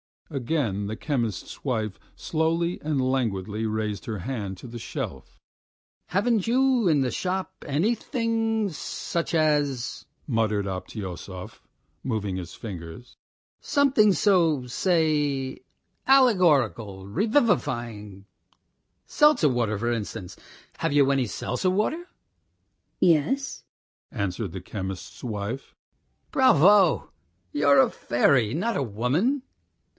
Again the chemist's wife slowly and languidly raised her hand to the shelf. "Haven't you in the shop anything ... such as ..." muttered Obtyosov, moving his fingers, "something, so to say, allegorical ... revivifying ... seltzer water, for instance. Have you any seltzer water?" "Yes," answered the chemist's wife. "Bravo! You're a fairy, not a woman!